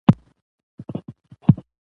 سټیو وا هند ته سخت بیټ وواهه.